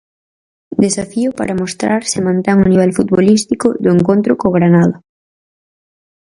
Desafío para mostrar se mantén o nivel futbolístico do encontro co Granada.